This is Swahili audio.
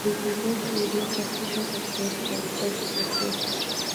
Hadithi ndefu iliyochapishwa katika kitabu chake pekee.